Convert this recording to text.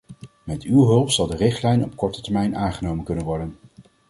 Met uw hulp zal de richtlijn op korte termijn aangenomen kunnen worden.